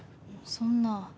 そんな。